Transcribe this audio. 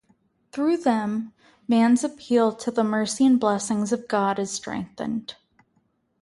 Through them, man's appeal to the mercy and blessings of God is strengthened.